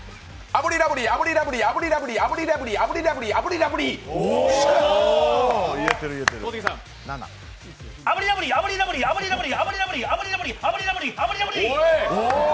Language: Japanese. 炙りラブリー、炙りラブリー、炙りラブリー、炙りラブリー、炙りラブリー、炙りラブリー炙りラブリー。